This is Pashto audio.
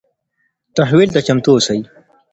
تحول ته چمتو اوسئ.